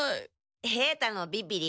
平太のビビリ